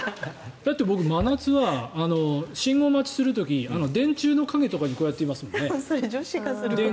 だって僕真夏は信号待ちをする時電柱の影とかにいますもんね。